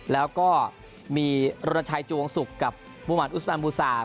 แล้วก็มีรณชัยจวงศุกร์กับมุมัติอุสมันบูซา